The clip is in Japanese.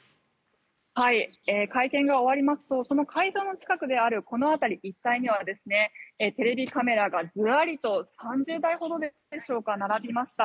会見が終わりますとその会場の近くであるこの辺り一帯にはテレビカメラがずらりと３０台ほどでしょうか並びました。